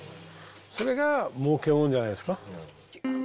それがもうけもんじゃないですか？